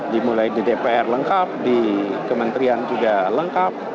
dimulai di dpr lengkap di kementerian juga lengkap